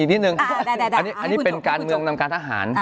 นิดนึงอันนี้เป็นการเมืองนำการทหาร